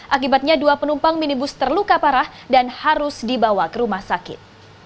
akibatnya dua penumpang minibus terluka parah dan harus dibawa ke rumah sakit